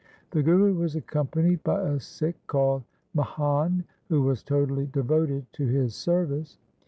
The Guru was accompanied by a Sikh called Mihan who was totally devoted to his service.